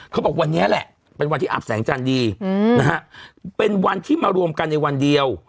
เขาบอกวันนี้แหละเป็นวันที่อาบแสงจันทร์ดีนะฮะเป็นวันที่มารวมกันในวันเดียว